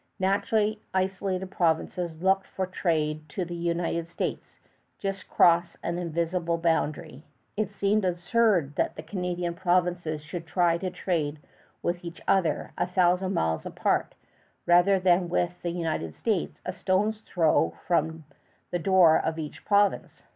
Naturally, the isolated provinces looked for trade to the United States, just across an invisible boundary. It seemed absurd that the Canadian provinces should try to trade with each other, a thousand miles apart, rather than with the United States, a stone's throw from the door of each province.